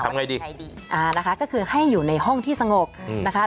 ไงดีไงดีอ่านะคะก็คือให้อยู่ในห้องที่สงบนะคะ